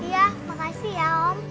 iya makasih ya om